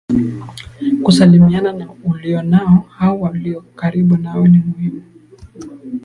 kusalimiana na ulionao au walio karibu nawe ni muhimu